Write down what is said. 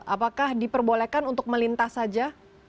apakah diperbolehkan untuk melintas saja